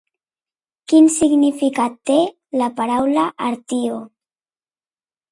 Quin significat té la paraula Artio?